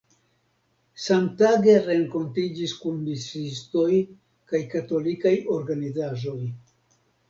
Samtage renkontiĝis kun misiistoj kaj katolikaj organizaĵoj.